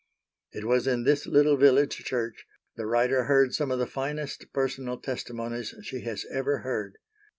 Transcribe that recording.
It was in this little village Church the writer heard some of the finest personal testimonies she has ever heard.